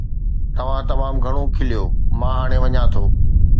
توهان تمام گهڻو کليو، مان هاڻي وڃان ٿو